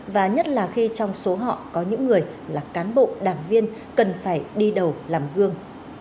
và nhất là khi trong số họ có những người là cán bộ đảng viên cần phải đi đầu làm gương